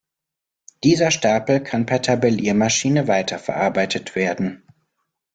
Dieser Stapel kann per Tabelliermaschine weiterverarbeitet werden.